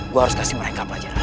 gue harus kasih mereka belajar